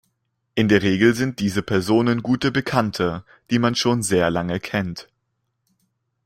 In der Regel sind diese Personen gute Bekannte, die man schon sehr lange kennt.